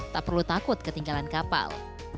tak perlu takut ketinggalan kapal